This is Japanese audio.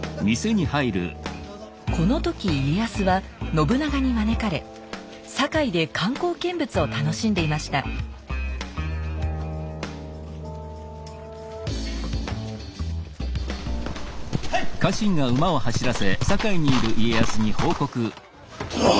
この時家康は信長に招かれ堺で観光見物を楽しんでいましたはいっ！殿！